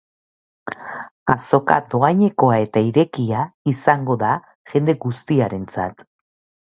Azoka dohainekoa eta irekia izango da jende guztiarentzat.